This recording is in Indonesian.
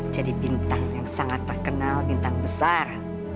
jadi bintang yang sangat terkenal bintang besar